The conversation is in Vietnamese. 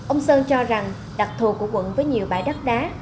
ông sơn cho rằng đặc thù của quận với nhiều bãi đất đá